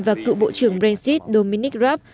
và cựu bộ trưởng brexit dominic raab